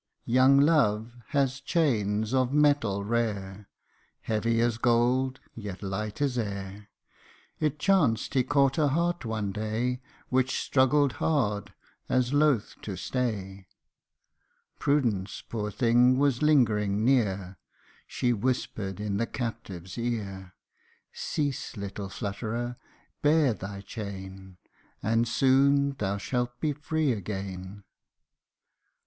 YOUNG Love has chains of metal rare, Heavy as gold yet light as air : It chanced he caught a heart one day Which struggled hard, as loth to stay. Prudence, poor thing, was lingering near She whispered in the captive's ear, " Cease, little flutterer ; bear thy chain, And soon thou shalt be free again